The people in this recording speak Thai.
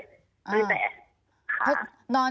ไม่แต่ค่ะ